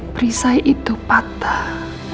perisai itu patah